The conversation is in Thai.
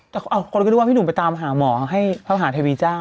แต่คนก็นึกว่าพี่หนุ่มไปตามหาหมอให้พระมหาเทวีเจ้า